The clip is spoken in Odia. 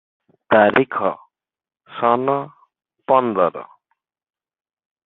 ତାରିଖ ସନ ପନ୍ଦର ।